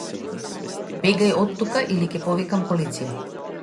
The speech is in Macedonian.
Бегај оттука или ќе повикам полиција.